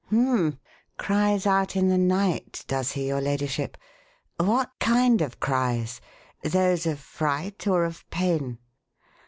"Hum m m! Cries out in the night, does he, your ladyship? What kind of cries? Those of fright or of pain?"